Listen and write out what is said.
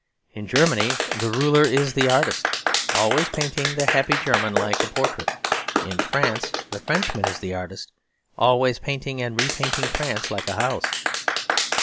In Germany the ruler is the artist, always painting the happy German like a portrait; in France the Frenchman is the artist, always painting and repainting France like a house.